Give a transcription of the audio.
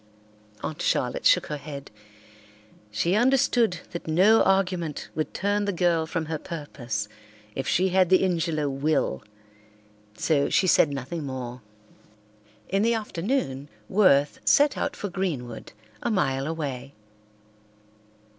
Aunt Charlotte shook her head. She understood that no argument would turn the girl from her purpose if she had the Ingelow will, so she said nothing more. In the afternoon Worth set out for Greenwood, a mile away.